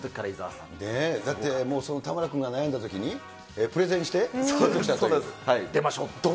だって、田村君が悩んだときにプレゼンして説得したと。